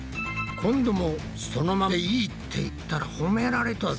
今度も「そのままでいい」って言ったら褒められたぞ。